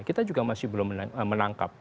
kita juga masih belum menangkap gitu ya